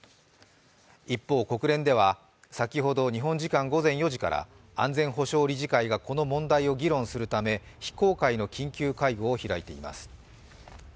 一方、国連では先ほど日本時間午前４時から安全保障理事会が、この問題を議論するため非公開の緊急会合を開いています。